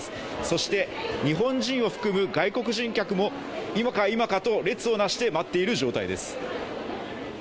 そして、日本人を含む外国人客も今か今かと列をなして待っている状態です。